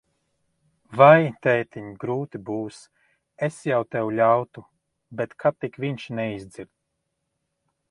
Vai, tētiņ, grūti būs. Es jau tev ļautu, bet ka tik viņš neizdzird.